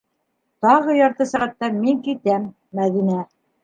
Тағы ярты сәғәттән мин китәм, Мәҙинә.